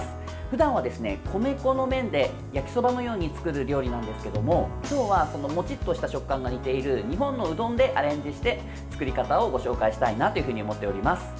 ふだんは米粉の麺で焼きそばのように作る料理なんですけども、今日はもちっとした食感が似ている日本のうどんでアレンジして作り方をご紹介したいなというふうに思っております。